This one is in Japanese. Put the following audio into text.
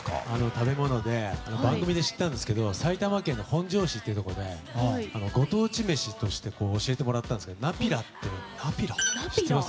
食べ物で番組で知ったんですけど埼玉県の本庄市っていうところでご当地メシとして教えてもらったんですけどナピラって、知ってます？